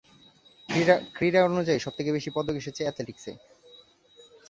ক্রীড়া-অনুযায়ী, সবথেকে বেশি পদক এসেছে অ্যাথলেটিক্স-এ।